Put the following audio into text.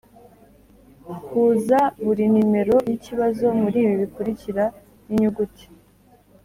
huza buri nimero y’ikibazo muri ibi bikurikira n’inyuguti